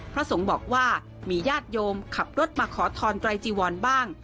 พระสงฆ์บอกว่ามีญาติโยมขับรถมาขอทอนไตรจีวรบ้าง